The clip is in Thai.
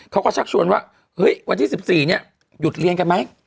เขาก็ชักชวนว่าวันที่๑๔หยุดเรียนกันไหม